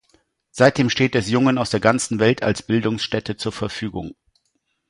Seitdem steht es Jungen aus der ganzen Welt als Bildungsstätte zur Verfügung.